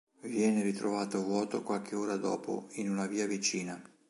Viene ritrovano vuoto qualche ora dopo, in una via vicina.